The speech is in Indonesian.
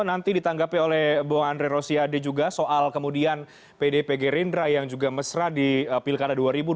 nanti ditanggapi oleh bu andre rosiade juga soal kemudian pdp gerindra yang juga mesra di pilkada dua ribu dua puluh